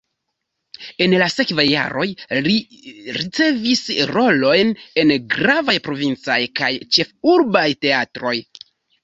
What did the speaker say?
En la sekvaj jaroj li ricevis rolojn en gravaj provincaj kaj ĉefurbaj teatroj.